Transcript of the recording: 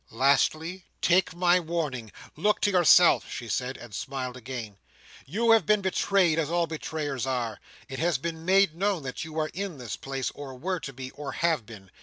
"Lastly, take my warning! Look to yourself!" she said, and smiled again. "You have been betrayed, as all betrayers are. It has been made known that you are in this place, or were to be, or have been.